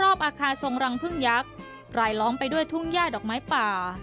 อาคารทรงรังพึ่งยักษ์รายล้อมไปด้วยทุ่งย่าดอกไม้ป่า